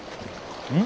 うん？